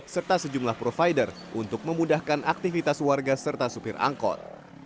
serta sejumlah provider untuk memudahkan aktivitas warga serta supir angkot